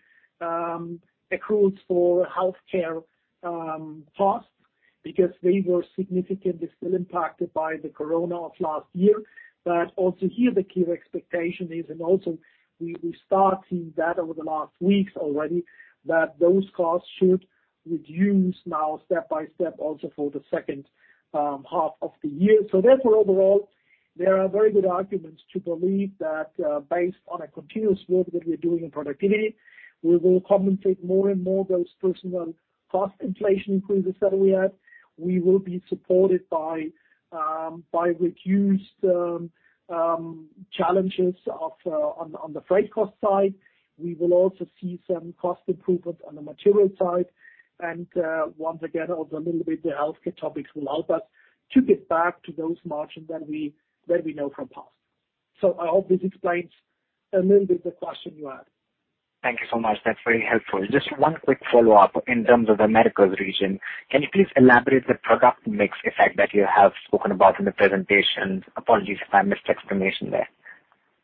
accruals for healthcare costs because they were significantly still impacted by the corona of last year. Also here the clear expectation is, and also we start seeing that over the last weeks already, that those costs should reduce now step by step also for the second half of the year. Therefore. There are very good arguments to believe that, based on a continuous work that we're doing in productivity, we will compensate more and more those personal cost inflation increases that we have. We will be supported by reduced challenges on the freight cost side. We will also see some cost improvements on the material side. Once again, also a little bit the healthcare topics will help us to get back to those margins that we know from past. I hope this explains a little bit the question you had. Thank you so much. That's very helpful. Just one quick follow-up in terms of Americas region. Can you please elaborate the product mix effect that you have spoken about in the presentation? Apologies if I missed explanation there.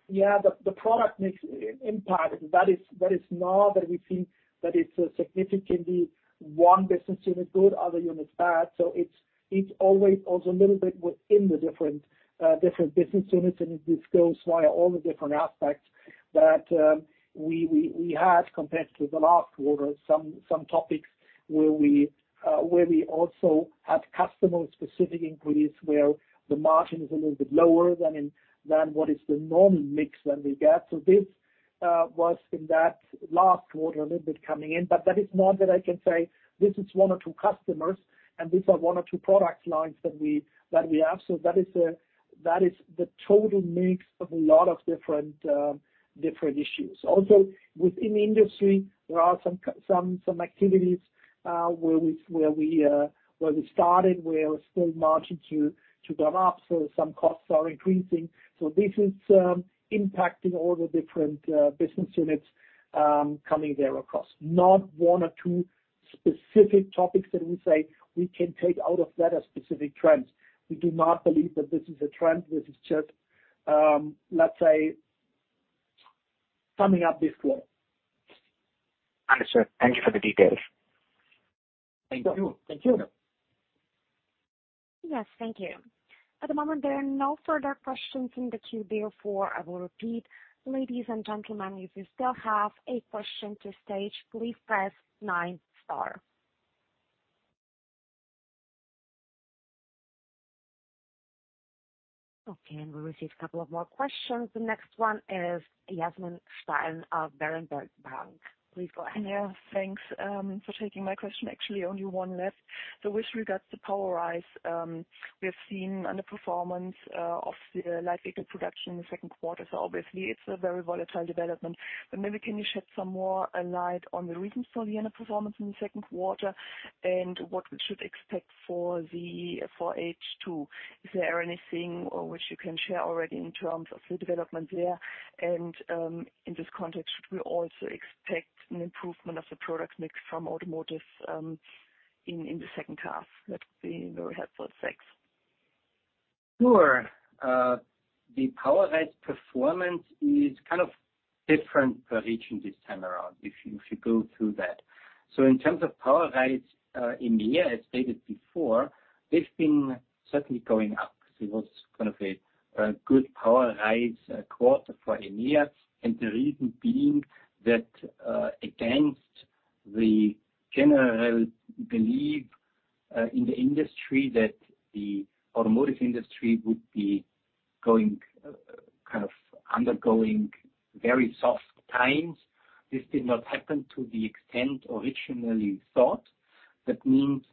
Yeah. The product mix impact, that is now that we see that it's significantly one business unit good, other units bad. It's always also a little bit within the different business units, and it goes via all the different aspects that we had compared to the last quarter, some topics where we also had customer-specific inquiries where the margin is a little bit lower than what is the normal mix that we get. This was in that last quarter a little bit coming in. That is not that I can say, this is one or two customers, and these are one or two product lines that we have. That is the total mix of a lot of different issues. Within the industry, there are some activities where we started, where we're still margin to come up, so some costs are increasing. This is impacting all the different business units coming there across. Not one or two specific topics that we say we can take out of that as specific trends. We do not believe that this is a trend. This is just, let's say, summing up this quarter. Understood. Thank you for the details. Thank you. Thank you. Yes. Thank you. At the moment, there are no further questions in the queue, therefore I will repeat. Ladies and gentlemen, if you still have a question to stage, please press nine star. Okay. We received a couple of more questions. The next one is Yasmin Steilen of Berenberg Bank. Please go ahead. Yeah. Thanks, for taking my question. Actually, only one left. With regards to POWERISE, we have seen underperformance of the light vehicle production in the Q2, so obviously it's a very volatile development. Maybe can you shed some more light on the reasons for the underperformance in the Q2 and what we should expect for H two? Is there anything or which you can share already in terms of the development there? In this context, should we also expect an improvement of the product mix from Automotive in the second half? That would be very helpful. Thanks. Sure. The POWERISE performance is kind of different per region this time around, if you go through that. In terms of POWERISE, EMEA, as stated before, they've been certainly going up. It was kind of a good POWERISE quarter for EMEA, and the reason being that, against the general belief in the industry that the automotive industry would be going, kind of undergoing very soft times, this did not happen to the extent originally thought. That means,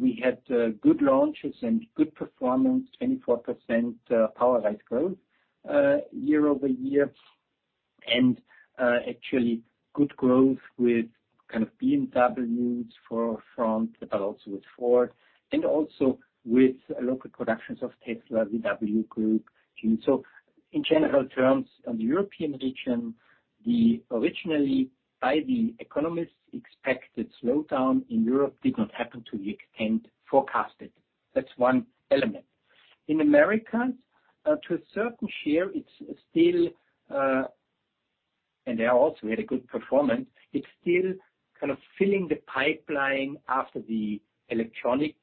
we had good launches and good performance, 24% POWERISE growth year-over-year, actually good growth with kind of BMWs frunk, but also with Ford, and also with local productions of Tesla, Volkswagen Group. In general terms, on the European region, the originally, by the economists, expected slowdown in Europe did not happen to the extent forecasted. That's one element. In Americas, to a certain share, it's still. They also had a good performance. It's still kind of filling the pipeline after the electronic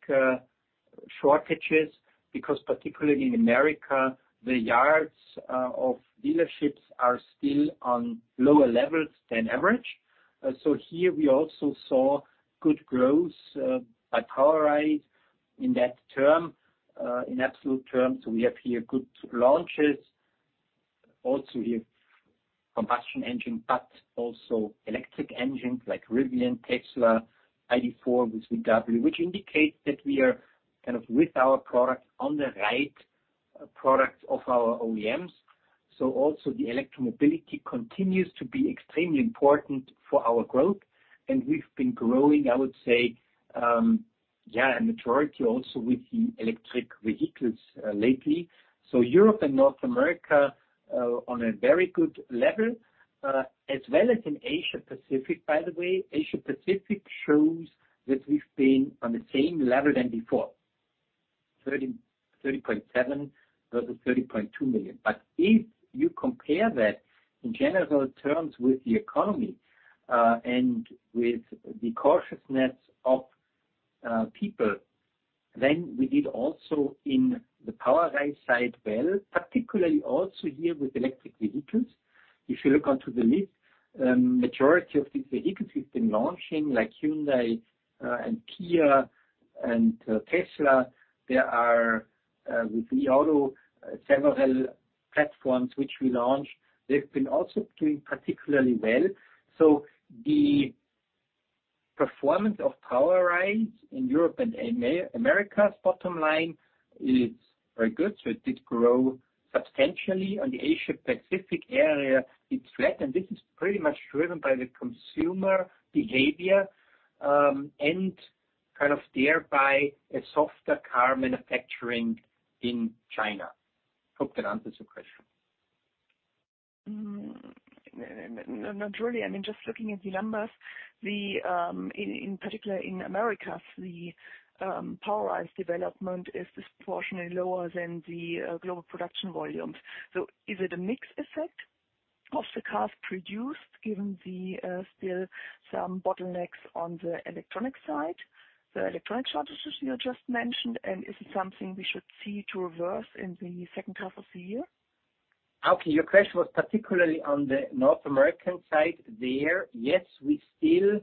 shortages, because particularly in Americas, the yards of dealerships are still on lower levels than average. Here we also saw good growth, by POWERISE in that term, in absolute terms. We have here good launches, also here combustion engine, but also electric engines like Rivian, Tesla, ID.4 with VW, which indicates that we are kind of with our product on the right product of our OEMs. Also the electromobility continues to be extremely important for our growth. We've been growing, I would say, a majority also with the electric vehicles lately. Europe and North America on a very good level, as well as in Asia-Pacific, by the way. Asia-Pacific shows that we've been on the same level than before, 30.7 million versus 30.2 million. If you compare that in general terms with the economy, and with the cautiousness of people, then we did also in the POWERISE side well, particularly also here with electric vehicles. If you look onto the list, majority of these vehicles we've been launching, like Hyundai, and Kia and Tesla, there are with the auto several platforms which we launched. They've been also doing particularly well. The performance of POWERISE in Europe and Americas' bottom line is very good. It did grow substantially. On the Asia Pacific area, it's flat. This is pretty much driven by the consumer behavior, and kind of thereby a softer car manufacturing in China. Hope that answers your question. Not really. I mean, just looking at the numbers, in particular in Americas, the POWERISE development is disproportionately lower than the global production volumes. Is it a mix effect of the cars produced given the still some bottlenecks on the electronic side, the electronic shortages you just mentioned, and is it something we should see to reverse in the second half of the year? Your question was particularly on the North American side. There, yes, we still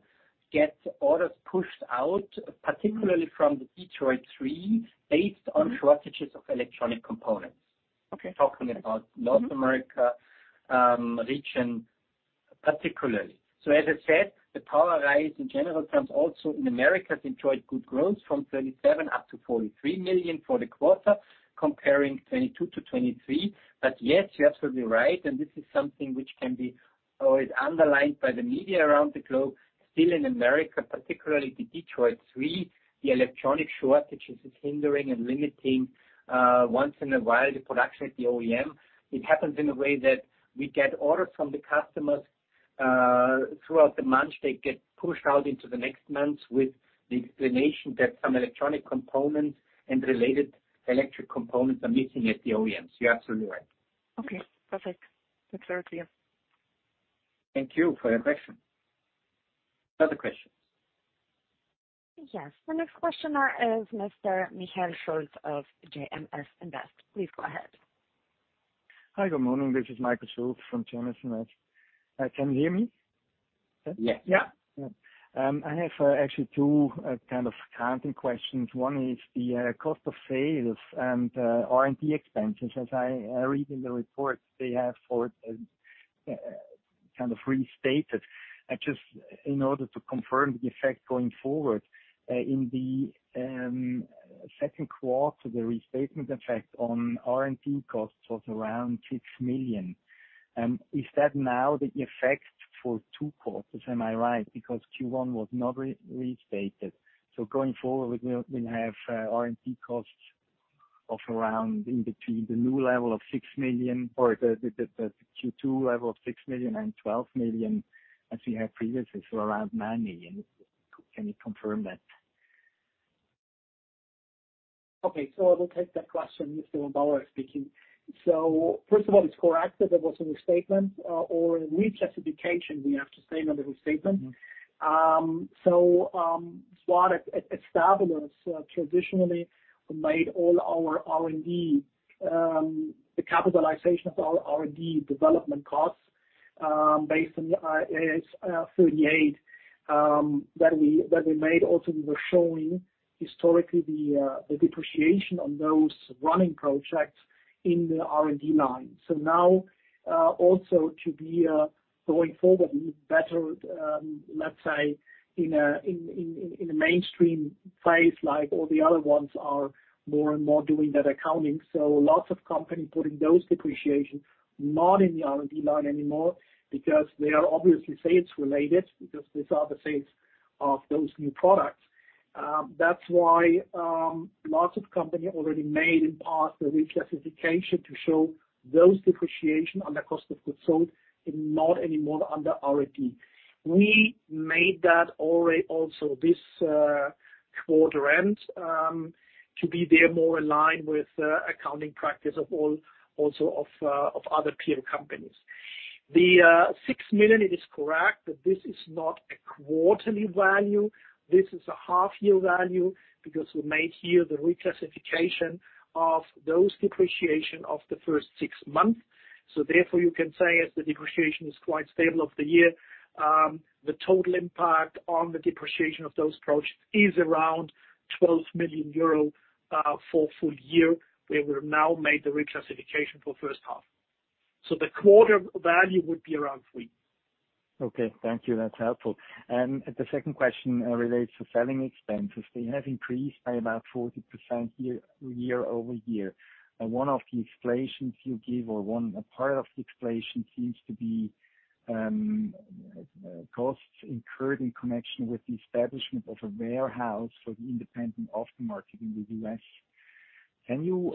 get orders pushed out, particularly from the Detroit Three, based on shortages of electronic components. Okay. Talking about North America, region particularly. As I said, the POWERISE in general terms also in Americas enjoyed good growth from 37 million up to 43 million for the quarter comparing 2022 to 2023. Yes, you're absolutely right, and this is something which can be always underlined by the media around the globe. Still in America, particularly the Detroit Three, the electronic shortages is hindering and limiting once in a while the production at the OEM. It happens in a way that we get orders from the customers throughout the month. They get pushed out into the next month with the explanation that some electronic components and related electric components are missing at the OEMs. You're absolutely right. Okay. Perfect. That's very clear. Thank you for your question. Other questions? Yes. The next questioner is Mr. Michael Schulz of JMS Invest. Please go ahead. Hi, good morning. This is Michael Schulz from JMS Invest. Can you hear me? Yes. I have actually two kind of accounting questions. One is the cost of sales and R&D expenses. As I read in the report, they have for kind of restated. Just in order to confirm the effect going forward, in the Q2, the restatement effect on R&D costs was around 6 million. Is that now the effect for two quarters? Am I right? Because Q1 was not restated. Going forward, we have R&D costs of around in between the new level of 6 million or the Q2 level of 6 million and 12 million as we had previously, so around 9 million. Can you confirm that? Okay. I will take that question. Dr. Michael Büchsner speaking. First of all, it's correct that there was a restatement, or a reclassification, we have to say, not a restatement. Stabilus at establishment traditionally made all our R&D, the capitalization of our R&D development costs, based on the IAS 38 that we made. Also, we were showing historically the depreciation on those running projects in the R&D line. Now, also to be going forward a little better, let's say in a mainstream place like all the other ones are more and more doing that accounting. Lots of company putting those depreciation not in the R&D line anymore because they are obviously sales related, because these are the sales of those new products. That's why, lots of company already made in part the reclassification to show those depreciation on the cost of goods sold and not anymore under R&D. We made that already also this quarter end, to be there more in line with accounting practice of all, also of other peer companies. The six million, it is correct, but this is not a quarterly value. This is a half-year value because we made here the reclassification of those depreciation of the first six months. Therefore, you can say as the depreciation is quite stable of the year, the total impact on the depreciation of those projects is around 12 million euro for full year, where we have now made the reclassification for first half. The quarter value would be around three. Okay. Thank you. That's helpful. The second question relates to selling expenses. They have increased by about 40% year-over-year. One of the explanations you give or a part of the explanation seems to be costs incurred in connection with the establishment of a warehouse for the independent aftermarket in the U.S. Can you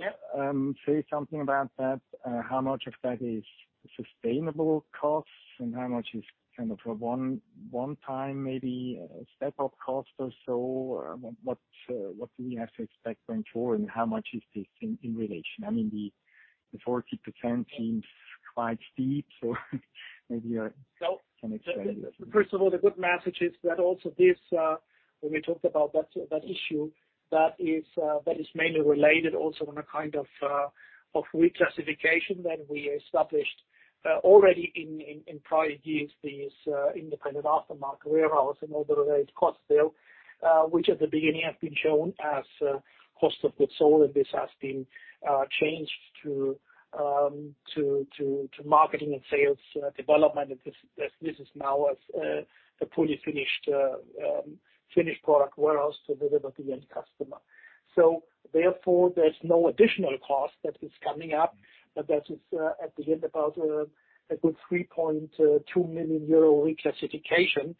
say something about that? How much of that is sustainable costs, and how much is kind of a one-time maybe a step-up cost or so? What do we have to expect going forward, and how much is this in relation? I mean, the 40% seems quite steep, maybe you can explain a little. First of all, the good message is that also this, when we talked about that issue, that is, that is mainly related also on a kind of reclassification that we established already in prior years, these independent aftermarket warehouse and all the related costs there, which at the beginning have been shown as cost of goods sold, and this has been changed to marketing and sales development. This is now as a fully finished product warehouse to deliver to the end customer. Therefore, there's no additional cost that is coming up, but that is at the end about a good 3.2 million euro reclassification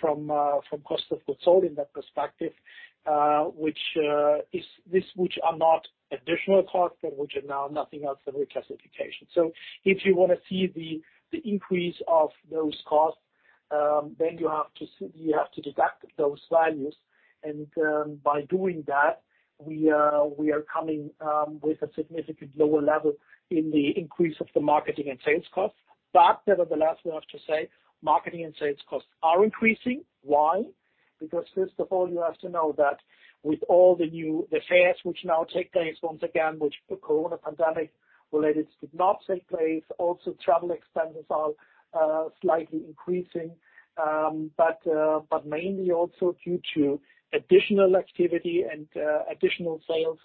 from cost of goods sold in that perspective, which are not additional costs, but which are now nothing else than reclassification. If you wanna see the increase of those costs, then you have to deduct those values. By doing that, we are coming with a significant lower level in the increase of the marketing and sales costs. Nevertheless, we have to say, marketing and sales costs are increasing. Why? First of all, you have to know that with all the fairs, which now take place once again, which the COVID pandemic related did not take place, also travel expenses are slightly increasing. Mainly also due to additional activity and additional sales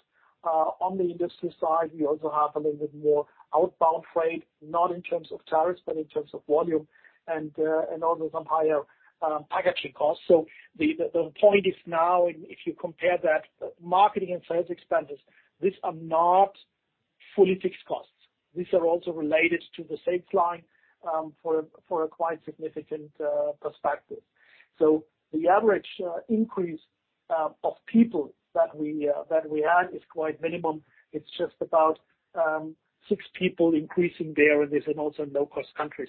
on the industry side, we also have a little bit more outbound freight, not in terms of tariffs, but in terms of volume, and also some higher packaging costs. The point is now if you compare that, marketing and sales expenditures, these are not fully fixed costs. These are also related to the sales line for a quite significant perspective. The average increase of people that we had is quite minimum. It's just about six people increasing there, and this is also in low cost countries.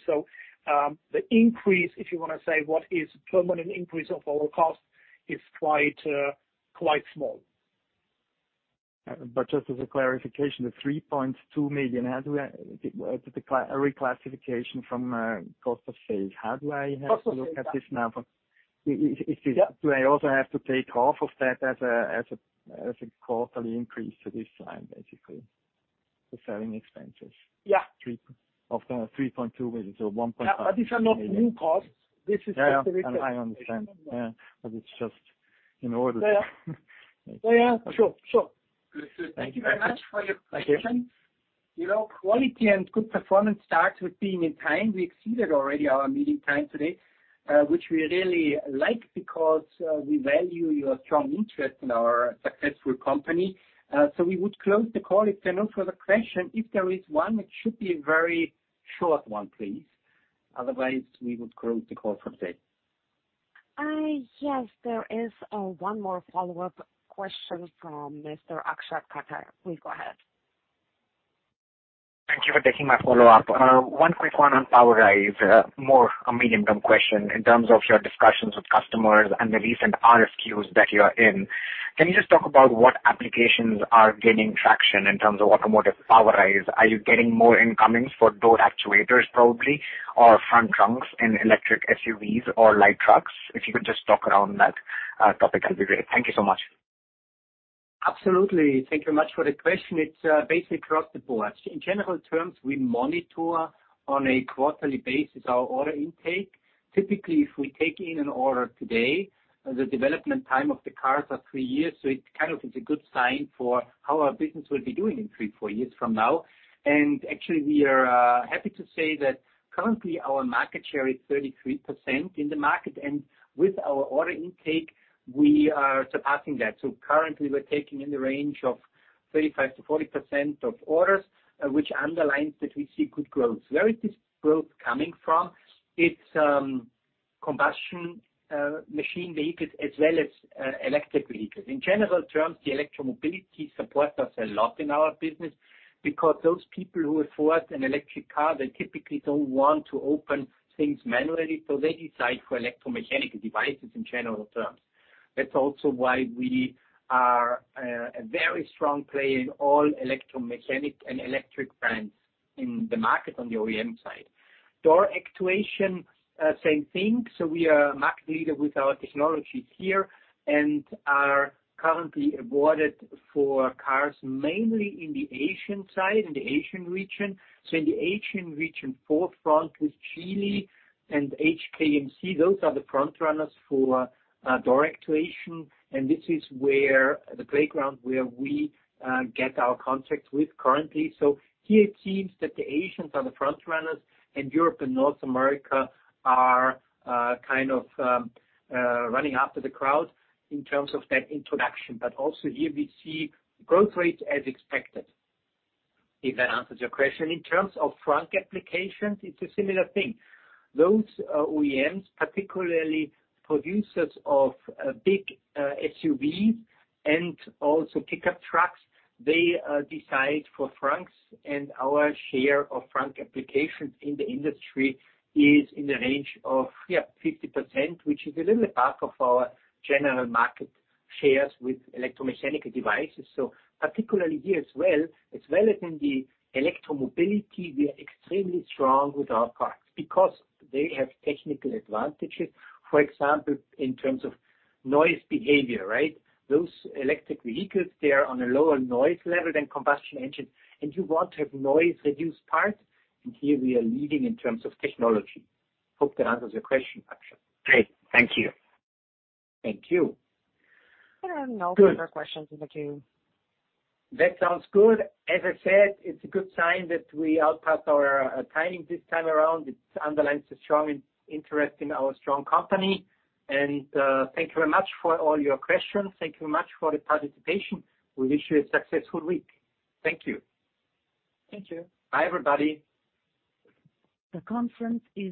The increase, if you want to say what is permanent increase of our cost, is quite small. just as a clarification, the 3.2 million, how do I? A reclassification from cost of sales? How do I have to look at this now? Cost of sales. Do I also have to take off of that as a quarterly increase to this line, basically, the selling expenses? Yeah. Of the 3.2, so 1.5 million. These are not new costs. This is just a reclassification. Yeah. I understand. Yeah. It's just in order to. Yeah. Yeah, sure. Sure. Good. Thank you very much for your question. You know, quality and good performance starts with being in time. We exceeded already our meeting time today, which we really like because we value your strong interest in our successful company. We would close the call if there are no further question. If there is one, it should be a very short one, please. Otherwise, we would close the call for today. Yes. There is one more follow-up question from Mr. Akshat Kacker. Please go ahead. Thank you for taking my follow-up. One quick one on Automotive POWERISE, more a medium-term question. In terms of your discussions with customers and the recent RFQs that you are in, can you just talk about what applications are gaining traction in terms of Automotive POWERISE? Are you getting more incomings for door actuators, probably, or front trunks in electric SUVs or light trucks? If you could just talk around that, topic, that'd be great. Thank you so much. Absolutely. Thank you much for the question. It's basically across the board. In general terms, we monitor on a quarterly basis our order intake. Typically, if we take in an order today, the development time of the cars are three years. It kind of is a good sign for how our business will be doing in three, four years from now. Actually, we are happy to say that currently our market share is 33% in the market, and with our order intake, we are surpassing that. Currently, we're taking in the range of 35%-40% of orders, which underlines that we see good growth. Where is this growth coming from? It's combustion machine vehicles as well as electric vehicles. In general terms, the electromobility support us a lot in our business because those people who afford an electric car, they typically don't want to open things manually, they decide for electromechanical devices in general terms. That's also why we are a very strong player in all electromechanical and electric brands in the market on the OEM side. Door actuation, same thing. We are market leader with our technologies here and are currently awarded for cars mainly in the Asian side, in the Asian region. In the Asian region, forefront is Geely and HKMC. Those are the front runners for door actuation, and this is where the playground where we get our contracts with currently. Here it seems that the Asians are the front runners and Europe and North America are kind of running after the crowd in terms of that introduction. Also here we see growth rates as expected, if that answers your question. In terms of frunk applications, it's a similar thing. Those OEMs, particularly producers of big SUVs and also pickup trucks, they decide for frunks, and our share of frunk applications in the industry is in the range of, yeah, 50%, which is a little bit above of our general market shares with electromechanical devices. Particularly here as well, as well as in the electromobility, we are extremely strong with our products because they have technical advantages, for example, in terms of noise behavior, right? Those electric vehicles, they are on a lower noise level than combustion engine, and you want to have noise reduced parts, and here we are leading in terms of technology. Hope that answers your question, Aksha. Great. Thank you. Thank you. There are no further questions in the queue. That sounds good. As I said, it's a good sign that we outpaced our timing this time around. It underlines the strong interest in our strong company. Thank you very much for all your questions. Thank you much for the participation. We wish you a successful week. Thank you. Thank you. Bye, everybody. The conference is now.